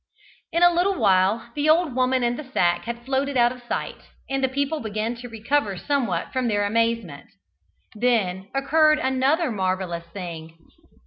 In a little while the old woman and the sack had floated out of sight, and the people began to recover somewhat from their amazement. Then occurred another marvellous thing.